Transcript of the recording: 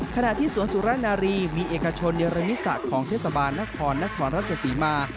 ขณะที่สวนสุรรานารีมีเอกชนในรมิสัตว์ของเทศกาลนครรภ์รัฐสตรีมา